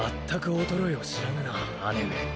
全く衰えを知らぬな姉上。